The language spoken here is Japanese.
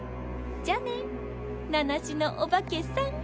じゃあね名なしのお化けさん。